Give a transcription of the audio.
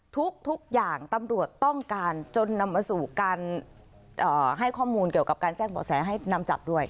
ทุกอย่างตำรวจต้องการจนนำมาสู่การให้ข้อมูลเกี่ยวกับการแจ้งบ่อแสให้นำจับด้วย